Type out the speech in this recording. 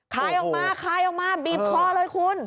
ขายออกมาคลายออกมาบีบคอเลยคุณ